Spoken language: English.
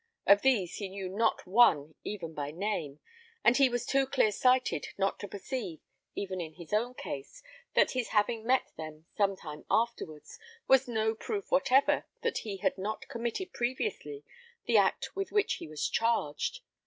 Of these he knew not one even by name; and he was too clear sighted not to perceive, even in his own case, that his having met them some time afterwards, was no proof whatever that he had not committed previously the act with which he was charged.